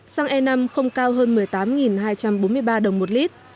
xăng e năm không cao hơn một mươi tám hai trăm bốn mươi ba đồng một lít